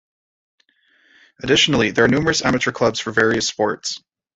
Additionally there are numerous amateur clubs for various sports.